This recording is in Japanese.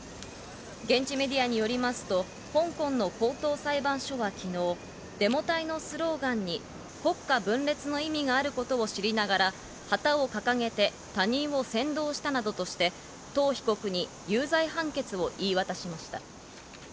現地メディアによりますと、香港の高等裁判所は昨日、デモ隊のスローガンに国家分裂の意味があることを知りながら旗を掲げて、他人を扇動したなどとして、トウ被告に有罪判決を言い渡しました。